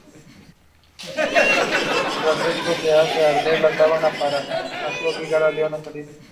Tras esto, hace arder la sabana para así obligar al león a salir.